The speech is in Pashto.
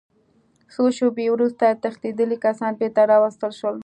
څو شېبې وروسته تښتېدلي کسان بېرته راوستل شول